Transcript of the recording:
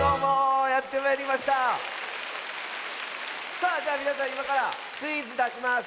さあじゃあみなさんいまからクイズだします。